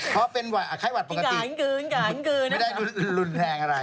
เพราะเป็นไข้หวัดปกติไม่ได้รุนแพงอะไร